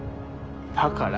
だから。